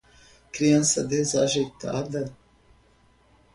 Criança desajeitada?